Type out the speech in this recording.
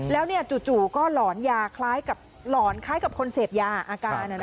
แล้วจู่ก็หลอนคล้ายกับคนเสพยาอาการ